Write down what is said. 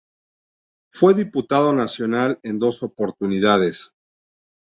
Fue diputado nacional en dos oportunidades.